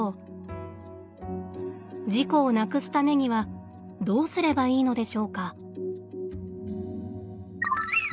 事故をなくすためにはどうすればいいのでしょうか。